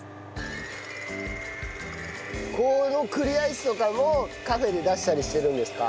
この栗アイスとかもカフェで出したりしてるんですか？